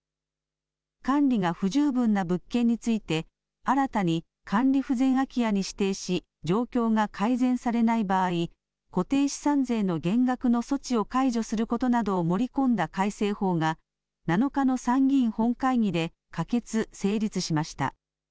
管理が不十分な物件について、新たに管理不全空き家に指定し、状況が改善されない場合、固定資産税の減額の措置を解除することなどを盛り込んだ改正法が、７日の参議院本会議で可決・成立しました。